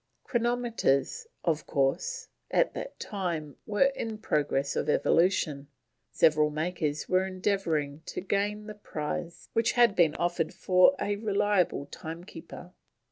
Chronometers, of course, at that time were in process of evolution, several makers were endeavouring to gain the prize which had been offered for a reliable timekeeper.